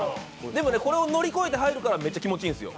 でもね、これを乗り越えて入るからめっちゃ気持ちいいんですよ。